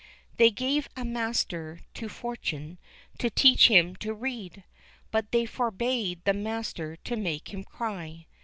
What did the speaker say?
They gave a master to Fortuné to teach him to read, but they forbad the master to make him cry.